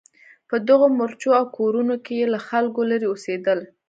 په دغو مورچو او کورونو کې یې له خلکو لرې اوسېدل.